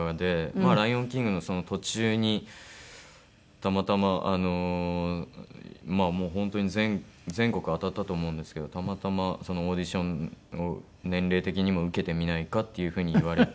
『ライオンキング』のその途中にたまたまあのもう本当に全国当たったと思うんですけどたまたまそのオーディションを年齢的にも受けてみないか？っていう風に言われて。